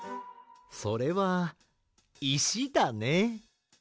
それはいしだね。